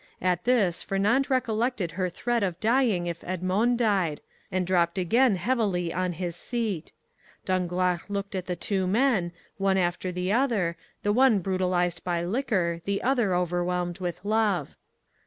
At this Fernand recollected her threat of dying if Edmond died, and dropped again heavily on his seat. Danglars looked at the two men, one after the other, the one brutalized by liquor, the other overwhelmed with love.